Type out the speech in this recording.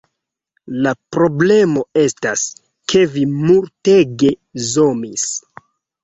La problemo estas, ke vi multege zomis